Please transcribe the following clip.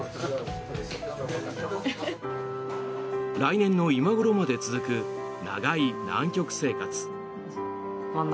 来年の今ごろまで続く長い南極生活。